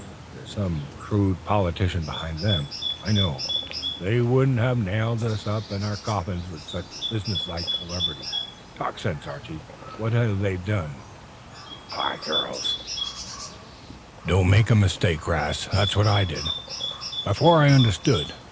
There's some shrewd politician behind them, I know, or they wouldn't have nailed us up in our coffins with such business like celerity." "Talk sense, Archie. What have they done? What can they do? Pah! Girls!" "Don't make a mistake, 'Rast. That's what I did, before I understood.